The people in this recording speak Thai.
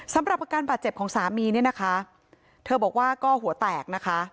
สำหรับอาการบาดเจ็บของสามีเนี่ยนะคะเธอบอกว่าก็หัวแตกนะคะ